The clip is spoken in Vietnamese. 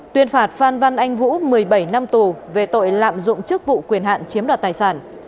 tuyên phạt phan văn anh vũ một mươi bảy năm tù về tội lạm dụng chức vụ quyền hạn chiếm đoạt tài sản